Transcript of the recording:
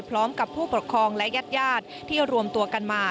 พร้อมกับผู้ปกครองและญาติที่รวมตัวกันมา